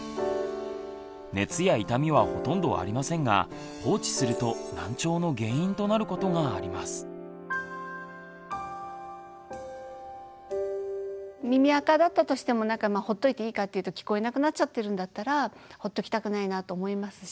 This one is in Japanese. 熱や痛みはほとんどありませんが耳あかだったとしてもほっといていいかというと聞こえなくなっちゃってるんだったらほっときたくないなと思いますし。